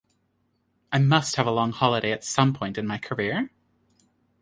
I must have a long holiday at some point in my career.